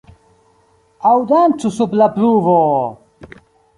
Aŭ dancu sub la pluvo!